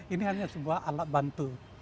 ini hanya sebuah alat bantu